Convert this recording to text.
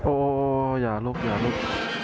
โอ้อย่าลุกอย่าลุก